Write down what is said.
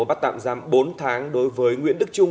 bắt tạm giam bốn tháng đối với nguyễn đức trung